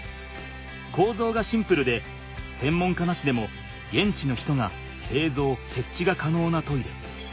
こうぞうがシンプルで専門家なしでも現地の人がせいぞうせっちがかのうなトイレ。